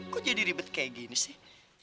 kok jadi ribet kayak gini sih